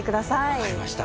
分かりました